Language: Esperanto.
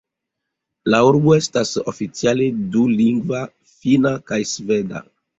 La urbo estas oficiale dulingva, Finna kaj Sveda.